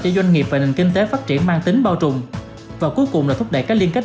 cho doanh nghiệp và nền kinh tế phát triển mang tính bao trùm và cuối cùng là thúc đẩy các liên kết